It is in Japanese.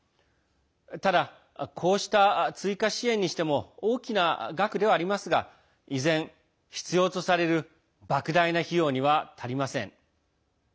ただ、こうした追加支援にしても大きな額ではありますが依然、必要とされるばく大な費用には足りません。